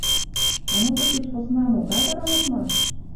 А музык деч посна могай вара модмаш?